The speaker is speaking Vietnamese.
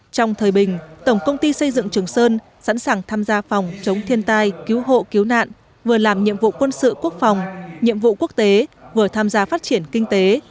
trong thời bình tổng công ty xây dựng trường sơn sẵn sàng tham gia phòng chống thiên tai cứu hộ cứu nạn vừa làm nhiệm vụ quân sự quốc phòng nhiệm vụ quốc tế vừa tham gia phát triển kinh tế